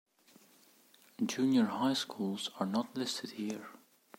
Junior High schools are not listed here.